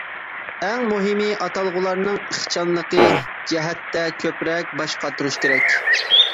ئەڭ مۇھىمى ئاتالغۇلارنىڭ ئىخچاملىقى جەھەتتە كۆپرەك باش قاتۇرۇش كېرەك.